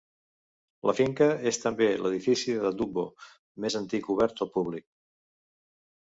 La finca és també l'edifici de Dubbo més antic obert al públic.